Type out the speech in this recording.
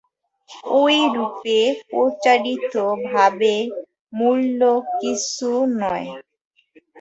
ঐরূপে প্রচারিত ভাবের মূল্য কিছুই নয়।